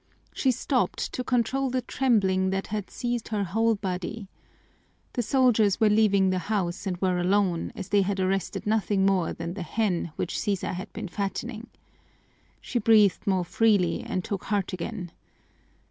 She stopped to control the trembling that had seized her whole body. The soldiers were leaving the house and were alone, as they had arrested nothing more than the hen which Sisa had been fattening. She breathed more freely and took heart again.